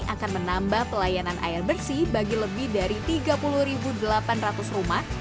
akan menambah pelayanan air bersih bagi lebih dari tiga puluh delapan ratus rumah